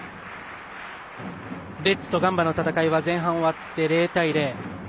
レッズとガンバの戦いは前半が終わって０対０。